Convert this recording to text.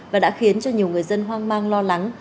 và đã khiến cho nhiều người dân hoang mang lo lắng